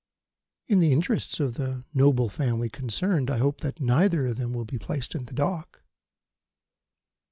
"In the interests of the noble family concerned, I hope that neither of them will be placed in the dock."